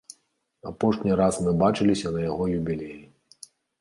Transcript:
Апошні раз мы бачыліся на яго юбілеі.